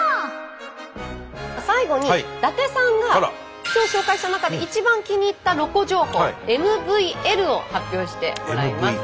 最後に伊達さんが今日紹介した中で一番気に入ったロコ情報ＭＶＬを発表してもらいます。